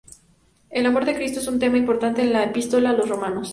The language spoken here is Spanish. El amor de Cristo es un tema importante en la epístola a los Romanos.